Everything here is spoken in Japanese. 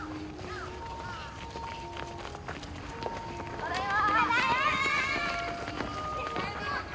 ただいま！